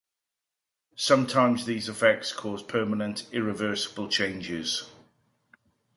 Sometimes, these effects cause permanent irreversible changes.